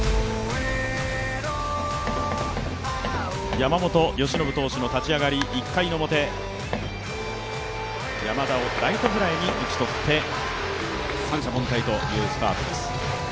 山本由伸投手の立ち上がり、１回表、山田をライトフライに打ち取って三者凡退というスタートです。